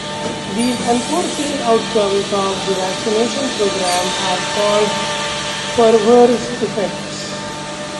These unforeseen outcomes of a vaccination programme are called perverse effects.